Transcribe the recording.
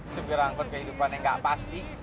subirangkut kehidupan yang enggak pasti